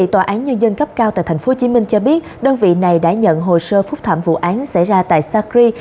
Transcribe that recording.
tòa án nhân dân cấp cao tại tp hcm cho biết đơn vị này đã nhận hồ sơ phúc thảm vụ án xảy ra tại sacri